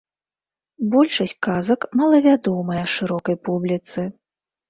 Большасць казак малавядомыя шырокай публіцы.